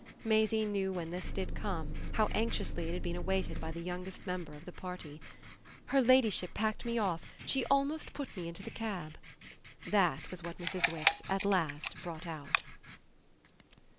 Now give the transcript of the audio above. Maisie knew when this did come how anxiously it had been awaited by the youngest member of the party. "Her ladyship packed me off she almost put me into the cab!" That was what Mrs. Wix at last brought out.